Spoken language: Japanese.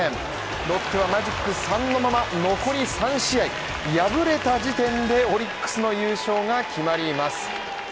ロッテはマジック３のまま残り３試合、敗れた時点でオリックスの優勝が決まります。